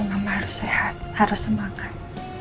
mama harus sehat harus semangat